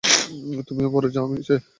তুমি উপরে যাও, আমি নিচে যাই।